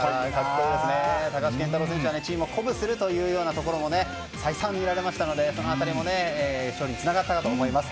高橋健太郎選手はチームを鼓舞するところも再三見られましたのでその辺りも勝利につながったかと思います。